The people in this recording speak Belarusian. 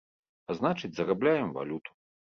А значыць, зарабляем валюту.